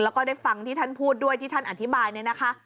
แล้วก็ได้ฟังที่ท่านพูดด้วยที่ท่านอธิบายเนี่ยนะคะ